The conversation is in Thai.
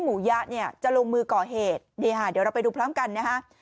หมูยะเนี่ยจะลงมือก่อเหตุนี่ค่ะเดี๋ยวเราไปดูพร้อมกันนะฮะ